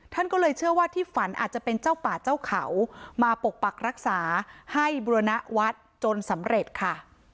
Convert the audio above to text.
ท่านก็เลยเชื่อว่าที่ฝันอาจจะเป็นเจ้าป่าเจ้าเขามาปกปักรักษาให้บุรณวัดจนสำเร็จค่ะ